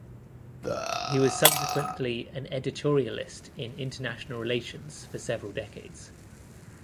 He was subsequently an editorialist in international relations for several decades.